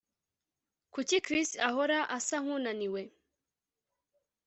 Kuki Chris ahora asa nkunaniwe